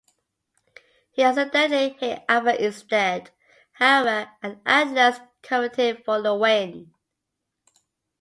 He accidentally hit Afa instead, however, and Atlas covered him for the win.